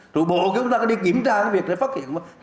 thủ bộ chúng ta có đi kiểm tra cái việc để phát hiện không